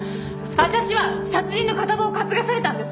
私は殺人の片棒を担がされたんですよ。